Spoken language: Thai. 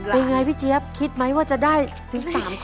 เป็นไงพี่เจี๊ยบคิดไหมว่าจะได้ถึง๓๐๐๐